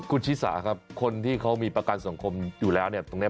คุณชิสาครับคนที่เขามีประกันสังคมอยู่แล้วเนี่ยตรงนี้